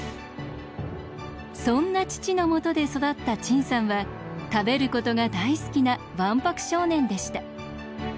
そんな父のもとで育った陳さんは食べることが大好きなわんぱく少年でした。